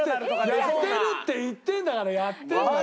やってるって言ってるんだからやってるんだよ。